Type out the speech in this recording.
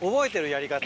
やり方。